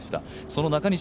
その中西